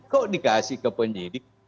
kok dikasih ke penyidik